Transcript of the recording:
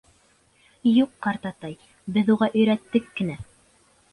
— Юҡ, ҡартатай, беҙ уға өйрәттек кенә.